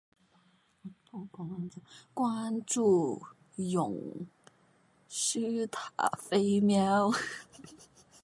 关注永雏塔菲喵